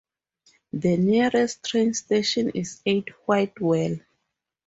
The nearest train station is at Whitwell.